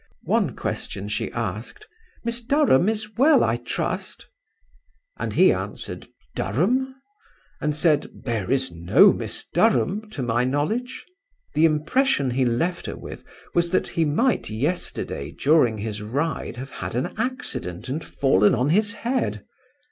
One question she asked: "Miss Durham is well, I trust?" And he answered "Durham?" and said, "There is no Miss Durham to my knowledge." The impression he left with her was, that he might yesterday during his ride have had an accident and fallen on his head.